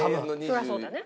それはそうだね。